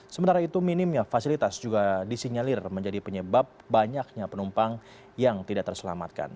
sementara itu minimnya fasilitas juga disinyalir menjadi penyebab banyaknya penumpang yang tidak terselamatkan